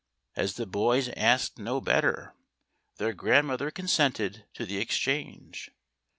As the boys asked no better, their grandmother con sented to the exchange.